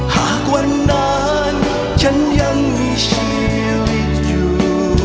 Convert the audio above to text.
หากวันนั้นฉันยังมีชีวิตอยู่